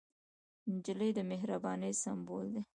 نجلۍ د مهربانۍ سمبول ده.